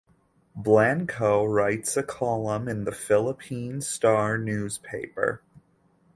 Blanco writes a column in "The Philippine Star" newspaper.